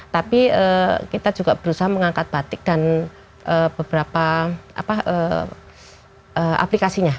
tapi kita juga berusaha mengangkat batik dan beberapa aplikasinya